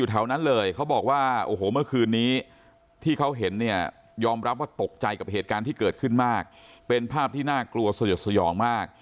อธิบายการมากที่อายุวิญญาณนั้นทั้งสุดแบบอายุประกอบขับผู้จบเคยจะบิดแวนด์ที่จุดเกิดเหตุไหนแน่นอน